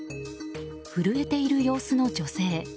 震えている様子の女性。